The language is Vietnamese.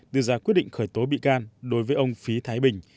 đưa ra quyết định khởi tố bị can đối với ông phí thái bình